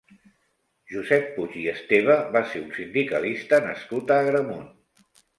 Josep Puig i Esteve va ser un sindicalista nascut a Agramunt.